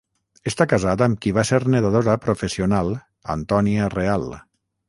Està casat amb qui va ser nedadora professional Antònia Real.